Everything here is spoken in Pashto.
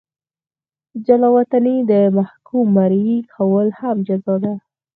جلا وطني او د محکوم مریي کول هم جزا ده.